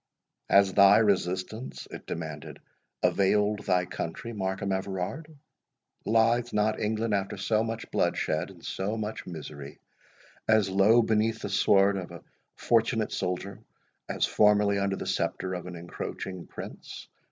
"Has thy resistance," it demanded, "availed thy country, Markham Everard? Lies not England, after so much bloodshed, and so much misery, as low beneath the sword of a fortunate soldier, as formerly under the sceptre of an encroaching prince?